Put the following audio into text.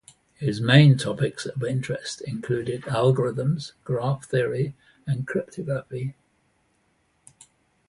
His main topics of interest included algorithms, graph theory and cryptography.